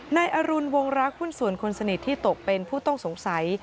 นายอรุณวงรักหุ้นส่วนคนสนิทที่ตกเป็นผู้ต้องสงสัย